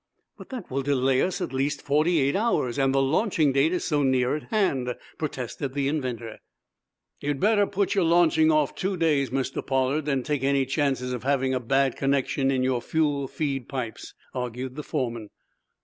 "But that will delay us at least forty eight hours, and the launching date is so near at hand," protested the inventor. "You'd better put your launching off two days, Mr. Pollard, than take any chances of having a bad connection in your fuel feed pipes," argued the foreman.